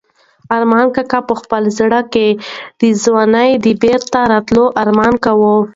ارمان کاکا په خپل زړه کې د ځوانۍ د بېرته راتلو ارمان کاوه.